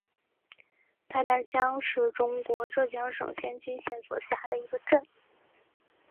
大战乡是中国浙江省仙居县所辖的一个镇。